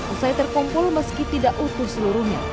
usai terkumpul meski tidak utuh seluruhnya